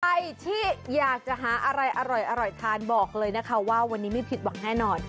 ใครที่อยากจะหาอะไรอร่อยทานบอกเลยนะคะว่าวันนี้ไม่ผิดหวังแน่นอน